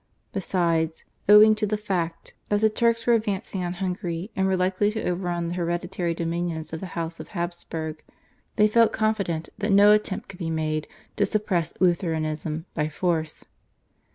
Besides, owing to the fact that the Turks were advancing on Hungary and were likely to overrun the hereditary dominions of the House of Habsburg, they felt confident that no attempt could be made to suppress Lutheranism by force.